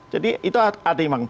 jadi itu ada imbangannya